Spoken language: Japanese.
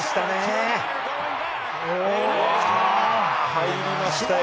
入りました。